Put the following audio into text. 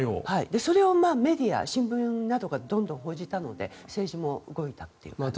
それをメディア、新聞などがどんどん報じたので政治も動いたという感じですね。